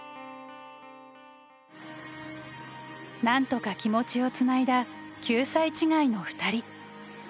なんとか気持ちをつないだ９歳違いの２人。